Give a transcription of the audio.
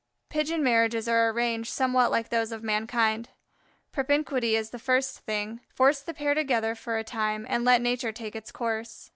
Pigeon marriages are arranged somewhat like those of mankind. Propinquity is the first thing: force the pair together for a time and let nature take its course.